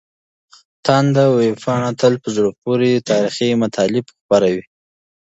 تاند ویبپاڼه تل په زړه پورې تاريخي مطالب خپروي.